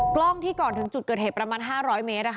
กล้องที่ก่อนถึงจุดเกิดเหตุประมาณ๕๐๐เมตร